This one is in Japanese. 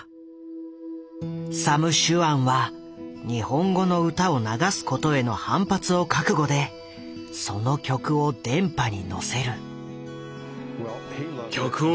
サム・シュアンは日本語の歌を流すことへの反発を覚悟でその曲を電波にのせる。